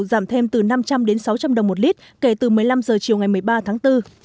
giảm thêm từ năm trăm linh đến sáu trăm linh đồng một lít kể từ một mươi năm h chiều ngày một mươi ba tháng bốn